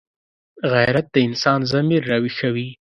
غیرت د انسان ضمیر راویښوي